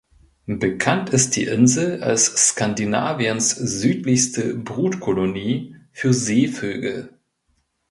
Bekannt ist die Insel als Skandinaviens südlichste Brutkolonie für Seevögel.